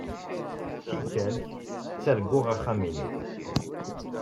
Tikkal, ttarguɣ axxam-inu.